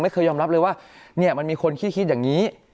ไม่เคยยอมรับเลยว่ามันมีคนคิดอย่างนี้